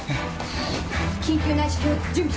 緊急内視鏡準備します。